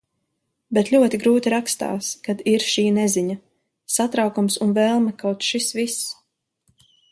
Bet ļoti grūti rakstās, kad ir šī neziņa, satraukums un vēlme kaut šis viss...